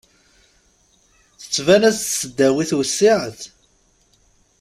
Tettban-as-d tesdawit wessiɛet.